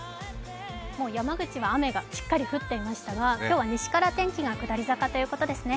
もう山口は雨がしっかり降っていましたが今日は西から天気が下り坂ということですね。